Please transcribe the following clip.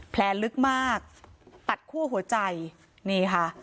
แผลลึกมากตัดคั่วหัวใจนี่ค่ะ